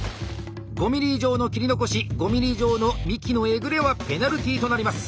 ５ｍｍ以上の切り残し５ｍｍ以上の幹のえぐれはペナルティとなります。